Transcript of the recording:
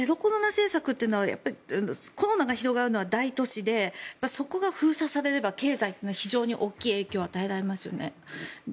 政策というのはコロナが広がるのは大都市でそこが封鎖されば経済というのは非常に大きい影響を与えられますよね。